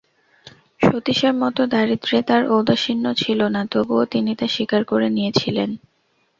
সতীশের মতো দারিদ্র্যে তাঁর ঔদাসীন্য ছিল না তবুও তিনি তা স্বীকার করে নিয়েছিলেন।